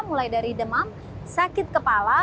mulai dari demam sakit kepala